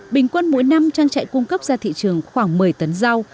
bình quân mỗi năm trang trại cung cấp ra thị trường khoảng một mươi tấn rau